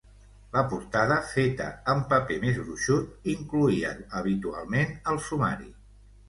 La portada, feta en paper més gruixut, incloïa habitualment el sumari.